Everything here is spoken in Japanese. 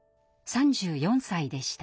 ３４歳でした。